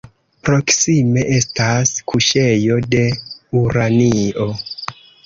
Proksime estas kuŝejo de uranio.